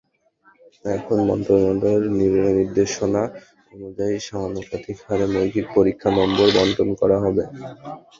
এখন মন্ত্রণালয়ের নির্দেশনা অনুযায়ী সমানুপাতিক হারে মৌখিক পরীক্ষার নম্বর বণ্টন করা হবে।